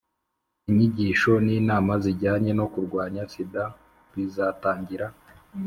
inyigisho n'inama zijyanye no kurwanya sida bizatangira